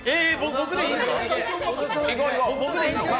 僕でいいの？